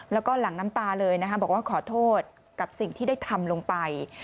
แล้วก็หลังน้ำตาเลยนะคะบอกว่าขอโทษกับสิ่งที่ได้ทำลงไป